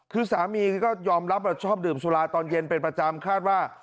คือสามีก็ยอมรับว่าชอบดื่มสุราตอนเย็นเป็นประจำคาดว่า